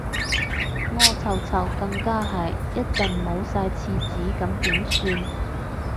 屙臭臭更加係，一陣冇晒廁紙咁點算